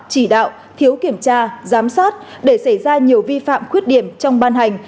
chỉ đạo thiếu kiểm tra giám sát để xảy ra nhiều vi phạm khuyết điểm trong ban hành